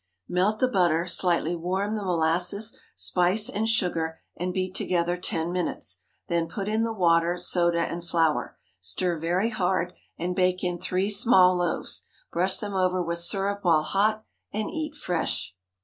Melt the butter, slightly warm the molasses, spice, and sugar, and beat together ten minutes. Then put in the water, soda, and flour. Stir very hard, and bake in three small loaves. Brush them over with syrup while hot, and eat fresh.